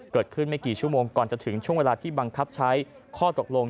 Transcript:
เกิดขึ้นไม่กี่ชั่วโมงก่อนจะถึงช่วงเวลาที่บังคับใช้ข้อตกลง